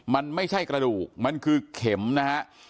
มันไม่ใช่กระดูกมันคือเข็มนะฮะ